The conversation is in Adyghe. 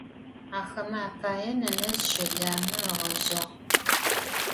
Axeme apaê nenezj şelame ığezjağ.